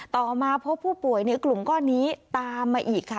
ต่อมาพบผู้ป่วยในกลุ่มก้อนนี้ตามมาอีกค่ะ